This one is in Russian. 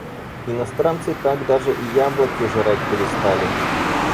Иностранцы так даже и яблоки жрать перестали.